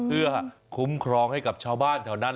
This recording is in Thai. เพื่อคุ้มครองให้กับชาวบ้านแถวนั้น